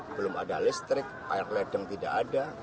belum ada listrik air ledeng tidak ada